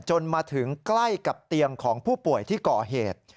จนมาถึงใกล้กับเตียงของผู้ป่วยที่ก่อเหตุ